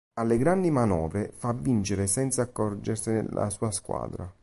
Alle grandi manovre fa vincere senza accorgersene la sua squadra.